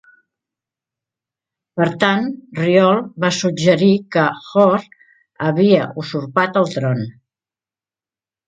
Per tant, Ryholt va suggerir que Hor havia usurpat el tron.